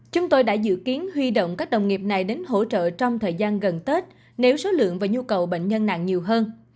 chúng tôi đã dự kiến huy động các đồng nghiệp này đến hỗ trợ trong thời gian gần tết nếu số lượng và nhu cầu bệnh nhân nặng nhiều hơn